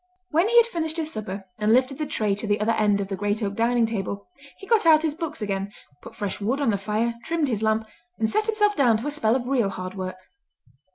When he had finished his supper, and lifted the tray to the other end of the great oak dining table, he got out his books again, put fresh wood on the fire, trimmed his lamp, and set himself down to a spell of real hard work.